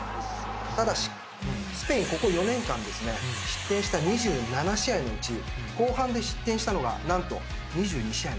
ただしスペインここ４年間ですね失点した２７試合のうち後半で失点したのが何と２２試合。